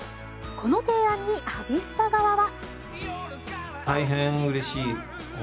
この提案にアビスパ側は。